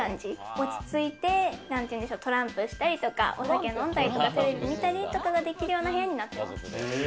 落ち着いてトランプしたりとか、お酒飲んだりとか、テレビ見たりできるように。